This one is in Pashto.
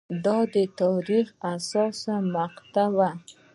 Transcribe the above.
دا د تاریخ حساسه مقطعه وه.